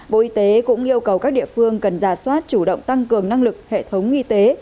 bộ y tế cũng yêu cầu các địa phương cần giả soát chủ động tăng cường năng lực hệ thống y tế